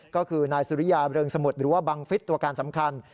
ก็คือนายสุริยาเริงสมุทรหรือว่าบังฟิศตัวการสำคัญ